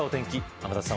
天達さん